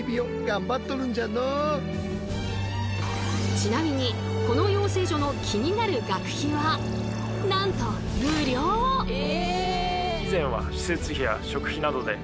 ちなみにこの養成所の気になる学費はなんとえ！